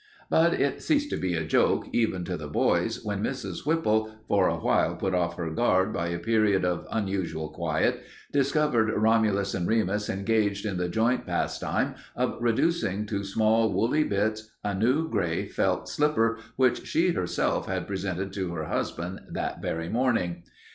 But it ceased to be a joke, even to the boys, when Mrs. Whipple, for awhile put off her guard by a period of unusual quiet, discovered Romulus and Remus engaged in the joint pastime of reducing to small woolly bits a new gray felt slipper which she herself had presented to her husband that very morning.